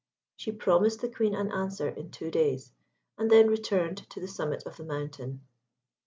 She promised the Queen an answer in two days, and then returned to the summit of the mountain.